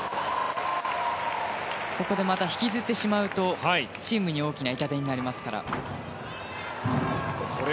ここで引きずってしまうとチームに大きな痛手になりますから。